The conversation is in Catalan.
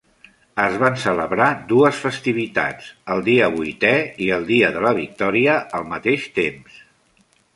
Es van celebrar dues festivitats, el Dia vuitè i el Dia de la victòria, al mateix temps.